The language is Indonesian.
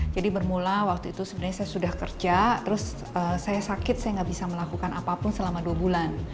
jadi bermula waktu itu sebenarnya saya sudah kerja terus saya sakit saya gak bisa melakukan apapun selama dua bulan